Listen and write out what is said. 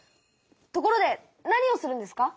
ところで何をするんですか？